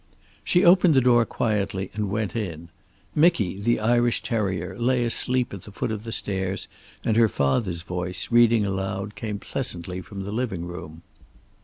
She opened the door quietly and went in. Micky, the Irish terrier, lay asleep at the foot of the stairs, and her father's voice, reading aloud, came pleasantly from the living room.